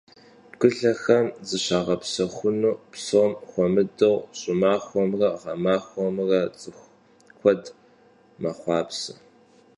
Bgılhexem zışağepsexunu, psom xuemıdeu ş'ımaxuemre ğemaxuemre, ts'ıxu kued mexhuapse.